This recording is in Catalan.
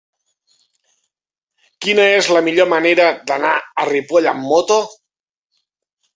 Quina és la millor manera d'anar a Ripoll amb moto?